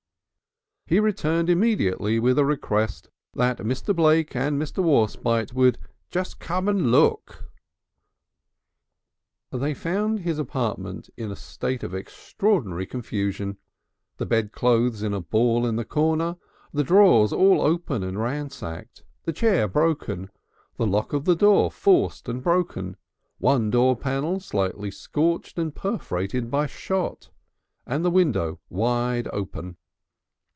He returned immediately with a request that Mr. Blake and Mr. Warspite would "just come and look." They found the apartment in a state of extraordinary confusion, the bedclothes in a ball in the corner, the drawers all open and ransacked, the chair broken, the lock of the door forced and broken, one door panel slightly scorched and perforated by shot, and the window wide open.